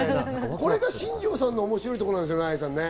これが新庄さんの面白いところなんですよね、愛さん。